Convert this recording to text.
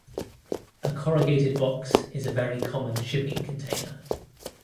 A corrugated box is a very common shipping container.